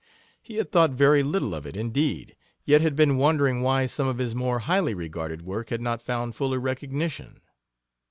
He had thought very little of it, indeed, yet had been wondering why some of his more highly regarded work had not found fuller recognition.